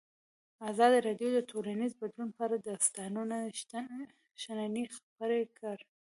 ازادي راډیو د ټولنیز بدلون په اړه د استادانو شننې خپرې کړي.